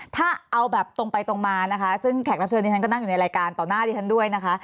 ถ้าเอาแบบตรงไปตรงมานะคะซึ่งแขกรับเชิญที่ฉันก็นั่งอยู่ในรายการต่อหน้าดิฉันด้วยนะคะ